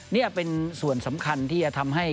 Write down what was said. นี่เป็นส่วนสำคัญที่จะทำให้